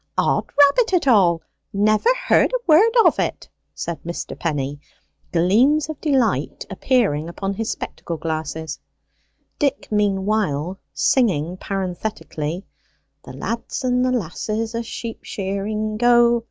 "'Od rabbit it all! Never heard a word of it!" said Mr. Penny, gleams of delight appearing upon his spectacle glasses, Dick meanwhile singing parenthetically "The lads and the lasses a sheep shearing go."